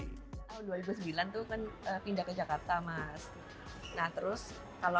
tahun dua ribu sembilan tuh kan pindah ke jakarta mas kalau